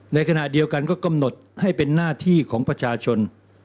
ในขณะเดียวกันก็กำหนดให้เป็นหน้าที่ของประชาชน